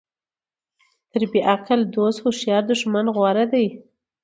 تر بیعقل دوست هوښیار دښمن غوره ده.